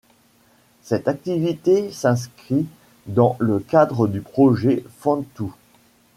Cette activité s'inscrit dans le cadre du projet Funtoo.